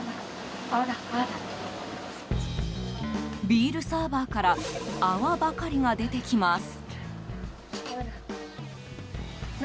ビールサーバーから泡ばかりが出てきます。